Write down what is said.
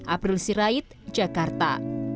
april sirait jakarta